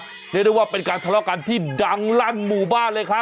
เรียกได้ว่าเป็นการทะเลาะกันที่ดังลั่นหมู่บ้านเลยครับ